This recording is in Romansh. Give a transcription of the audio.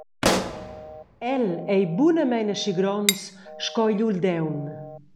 El ei bunamein aschi gronds sco igl uldaun.